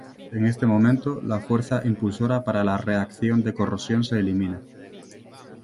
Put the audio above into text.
En este momento, la fuerza impulsora para la reacción de corrosión se elimina.